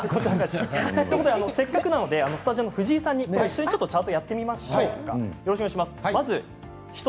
せっかくなのでスタジオの藤井さん一緒にチャートをしてみましょう。